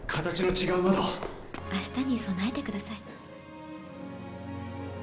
あしたに備えてください。